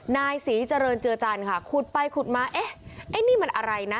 นายศรีเจริญเจือจันทร์ค่ะขุดไปขุดมาเอ๊ะไอ้นี่มันอะไรนะ